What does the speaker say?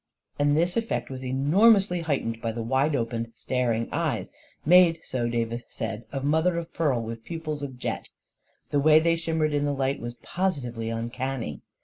And this effect was enormously heightened by the wide open, staring eyes — made, so Davis said, of mother of pearl, with pupils of jet. The way thry shimmered in the light was positively uncanny.